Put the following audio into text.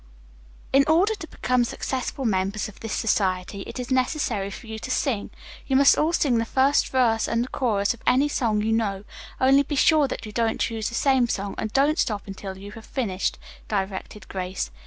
"In order to become successful members of this society, it is necessary for you to sing. You may all sing the first verse and the chorus of any song you know, only be sure that you don't choose the same song, and don't stop until you have finished," directed Grace.